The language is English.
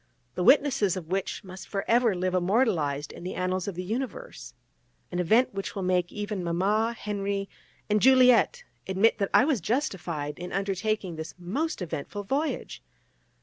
the witnesses of which must for ever live immortalised in the annals of the universe, an event which will make even Mama, Henri and Juliette admit that I was justified in undertaking this most eventful voyage.